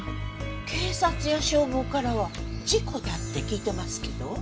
警察や消防からは事故だって聞いてますけど。